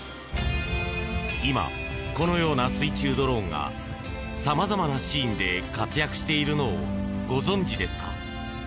今、このような水中ドローンがさまざまなシーンで活躍しているのをご存じですか？